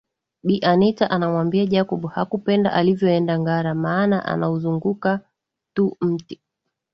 Bi Anita anamwambia Jacob hakupenda alivyoenda Ngara maana anauzunguka tu mti